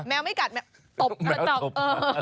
แมวไม่กัดแมวตบ